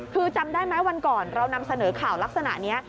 คือจำได้ไหมวันก่อนเรานำเสนอข่าวลักษณะนี้